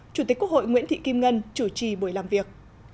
chủ tịch quốc hội nguyễn thị kim ngân chủ trì buổi làm việc